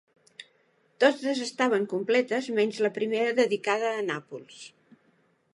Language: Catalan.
Totes estaven completes menys la primera dedicada a Nàpols.